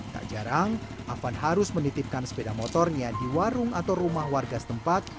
tak jarang afan harus menitipkan sepeda motornya di warung atau rumah warga setempat